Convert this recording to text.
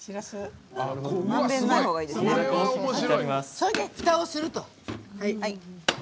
それで、ふたをすると。